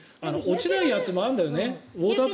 落ちないやつもあるんだよね。